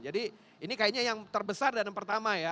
ini kayaknya yang terbesar dan yang pertama ya